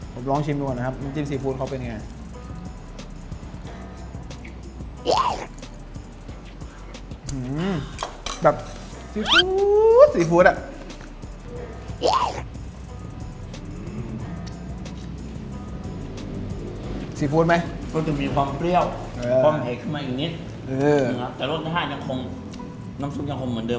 ผมลองชิมดูก่อนนะครับน้ำจิ้มซีฟู้ดเขาเป็นยังไง